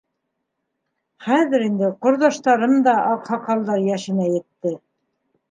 Хәҙер инде ҡорҙаштарым да аҡһаҡалдар йәшенә етте.